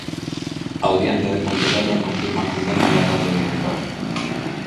A Audiencia de Pontevedra confirma a condena ao alcalde de Dozón